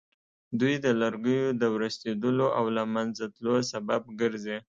دوی د لرګیو د ورستېدلو او له منځه تلو سبب ګرځي.